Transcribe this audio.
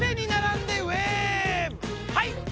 はい！